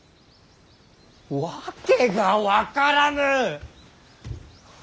訳が分からぬ！